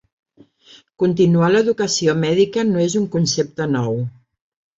Continuar l'educació mèdica no és un concepte nou.